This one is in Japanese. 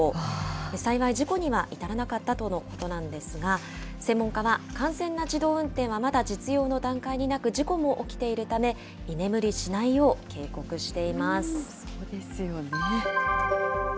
幸い、事故には至らなかったとのことなんですが、専門家は、完全な自動運転はまだ実用の段階になく、事故も起きているため、居眠りしないよう、そうですよね。